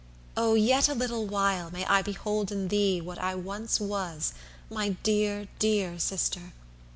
Oh! yet a little while May I behold in thee what I was once, 120 My dear, dear Sister!